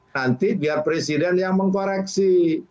nanti biar presiden yang mengkoreksi